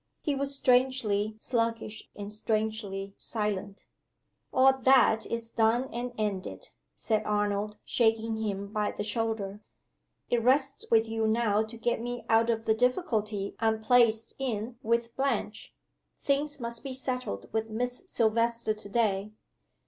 He was strangely sluggish and strangely silent. "All that is done and ended," said Arnold shaking him by the shoulder. "It rests with you now to get me out of the difficulty I'm placed in with Blanche. Things must be settled with Miss Silvester to day."